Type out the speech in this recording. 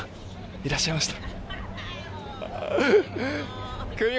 いらっしゃいました。